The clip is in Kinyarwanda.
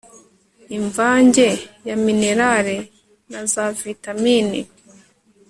imvange ya minerale na za vitamini